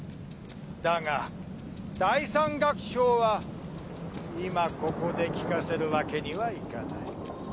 だが第三楽章は今ここで聴かせるわけにはいかない。